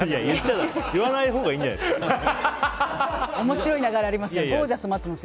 言わないほうがいいんじゃないですか。